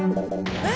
えっ！